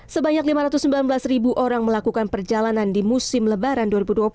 sebanyak lima ratus sembilan belas ribu orang melakukan perjalanan di musim lebaran dua ribu dua puluh satu